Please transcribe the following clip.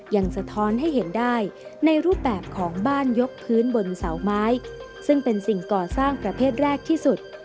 สะท้อนให้เห็นได้ในรูปแบบของบ้านยกพื้นบนเสาไม้ซึ่งเป็นสิ่งก่อสร้างประเภทแรกที่สุด